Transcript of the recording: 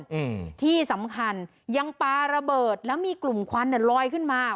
อืมที่สำคัญยังปลาระเบิดแล้วมีกลุ่มควันเนี้ยลอยขึ้นมา